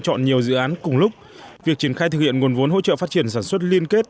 chọn nhiều dự án cùng lúc việc triển khai thực hiện nguồn vốn hỗ trợ phát triển sản xuất liên kết